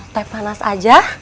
teh panas aja